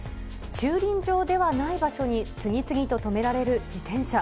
駐輪場ではない場所に次々と止められる自転車。